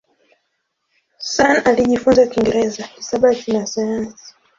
Sun alijifunza Kiingereza, hisabati na sayansi.